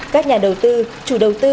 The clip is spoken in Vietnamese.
các nhà đầu tư chủ đầu tư